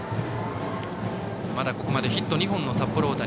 まだここまでヒット２本の札幌大谷。